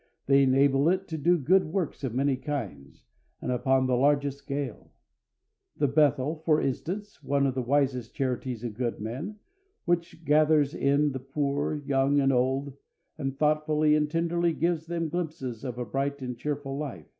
They enable it to do good works of many kinds, and upon the largest scale the Bethel, for instance, one of the wise charities of good men, which gathers in the poor, young and old, and thoughtfully and tenderly gives them glimpses of a bright and cheerful life.